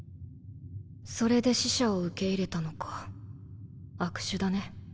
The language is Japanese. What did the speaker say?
それで使者を受け入れたのか悪手だね。